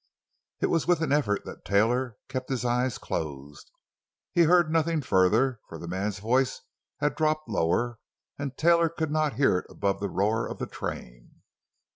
It was with an effort that Taylor kept his eyes closed. He heard nothing further, for the man's voice had dropped lower and Taylor could not hear it above the roar of the train.